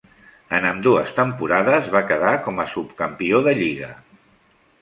En ambdues temporades va quedar com a subcampió de lliga.